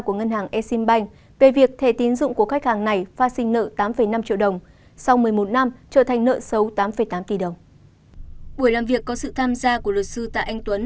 của ngân hàng exim bank về việc thẻ tín dụng của khách hàng này phát sinh nợ tám năm triệu đồng